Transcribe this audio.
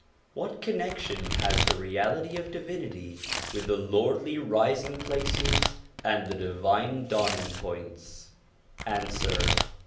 What connection has the Reality of Divinity with the Lordly Rising places and the Divine Dawning points ? Answer.